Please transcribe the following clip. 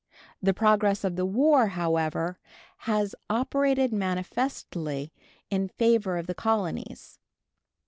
The progress of the war, however has operated manifestly in favor of the colonies.